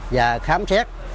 và khám xét